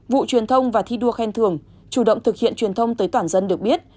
vụ truyền thông và thi đua khen thưởng chủ động thực hiện truyền thông tới toàn dân được biết